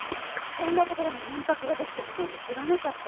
こんな所に民泊ができてたなんて知らなかった。